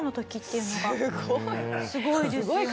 すごいですよね。